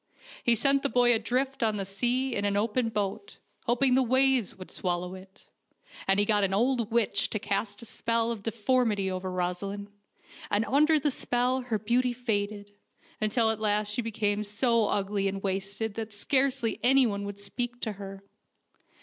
He sent the boy adrift on the sea in an open boat, hoping the waves would swallow it; and he got an old witch to cast the spell of deformity over Rosaleen, and under the spell her beauty faded, until at last she became so ugly and wasted that scarcely anyone would speak to her.